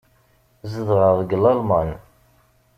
Zedɣeɣ deg Lalman.